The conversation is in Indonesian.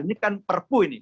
ini kan perpu ini